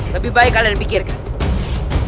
lebih baik kalian pikirkan